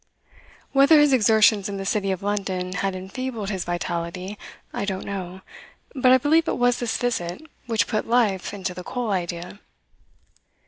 Whether his exertions in the City of London had enfeebled his vitality I don't know; but I believe it was this visit which put life into the coal idea.